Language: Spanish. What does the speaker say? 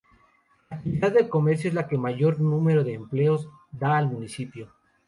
La actividad del comercio es la que mayor número de empleos da al municipio.